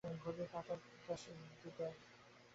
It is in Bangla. ঘড়ির কাঁটার দশে।